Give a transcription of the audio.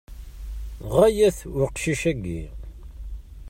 Ɣaya-t uqcic-agi.